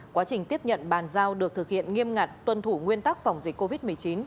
quá trình tiếp nhận bàn giao được thực hiện nghiêm ngặt tuân thủ nguyên tắc phòng dịch covid một mươi chín